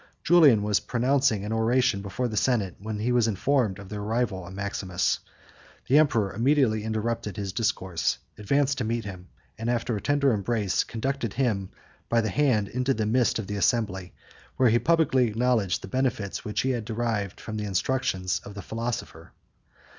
Julian was pronouncing an oration before the senate, when he was informed of the arrival of Maximus. The emperor immediately interrupted his discourse, advanced to meet him, and after a tender embrace, conducted him by the hand into the midst of the assembly; where he publicly acknowledged the benefits which he had derived from the instructions of the philosopher.